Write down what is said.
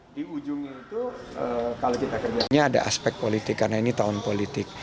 di ujungnya itu kalau kita kerjanya ada aspek politik karena ini tahun politik